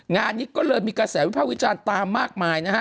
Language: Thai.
งานนี้ก็เลยมีกระแสวิภาควิจารณ์ตามมากมายนะฮะ